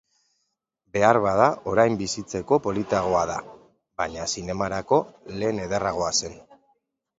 Beharbada orain bizitzeko politagoa da, baina zinemarako lehen ederragoa zen.